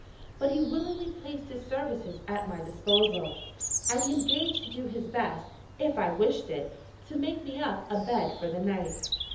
But he willingly placed his services at my disposal; and he engaged to do his best, if I wished it, to make me up a bed for the night.